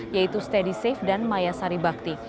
yaitu steadysafe dan maya saribakti